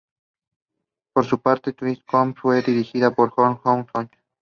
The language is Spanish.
Por su parte, "Two Cops" fue dirigida por Oh Hyun-jong.